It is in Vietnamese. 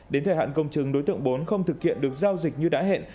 đến thời hạn công chứng đối tượng bốn không thực hiện được giao dịch như đã hẹn